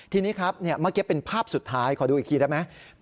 ทีนี้ครับเมื่อกี้เป็นภาพสุดท้ายขอดูอีกทีได้ไหม